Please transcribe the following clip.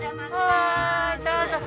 はーいどうぞ。